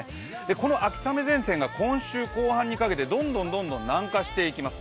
この秋雨前線が今週後半にかけてどんどん南下していきます。